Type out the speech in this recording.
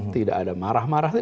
tidak ada marah marah